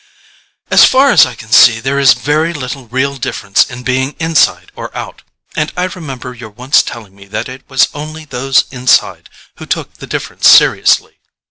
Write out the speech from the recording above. As far as I can see, there is very little real difference in being inside or out, and I remember your once telling me that it was only those inside who took the difference seriously."